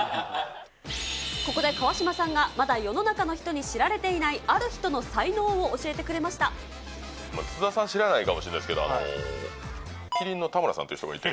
ここで川島さんがまだ世の中の人に知られていないある人の才津田さん、知らないかもしれないですけど、麒麟の田村さんという人がいて。